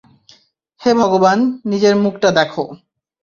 হে ভগবান, নিজের মুখটা দেখ!